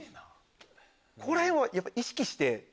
ここら辺やっぱ意識して？